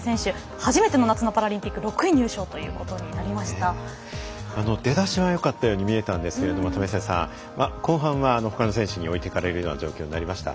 初めての夏のパラリンピック６位入賞ということに出だしはよかったように見えたんですが為末さん後半はほかの選手に置いていかれる状況になりました。